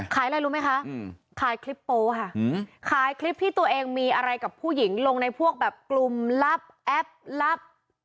อะไรรู้ไหมคะขายคลิปโป๊ค่ะขายคลิปที่ตัวเองมีอะไรกับผู้หญิงลงในพวกแบบกลุ่มลับแอปลับ